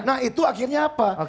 nah itu akhirnya apa